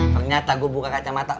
ternyata gue buka kacamata